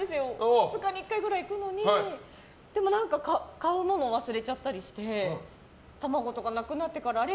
２日に１回くらい行くのにでも、何か買うものを忘れちゃったりして卵とかなくなってからあれ？